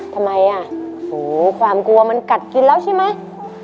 ทำไมอ่ะโหความกลัวมันกัดกินแล้วใช่ไหม